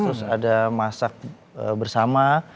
terus ada masak bersama